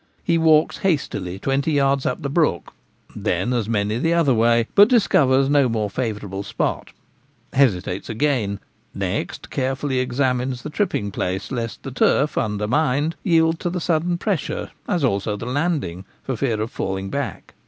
He walks hastily twenty yards up the brook, then as many the other way, but discovers no more favourable spot ; hesitates again ; next carefully examines the tripping place, lest the turf, under mined, yield to the sudden pressure, as also the landing, for fear of falling back.